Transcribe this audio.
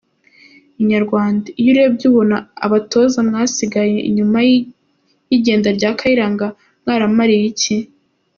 Inyarwanda: Iyo urebye ubona abatoza mwasigaye nyuma y’igenda rya Kayiranga mwarayimariye iki?.